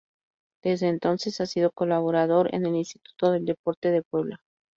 Desde entonces ha sido colaborador en el Instituto del Deporte de Puebla.